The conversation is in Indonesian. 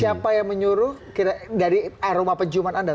siapa yang menyuruh dari rumah pencuman anda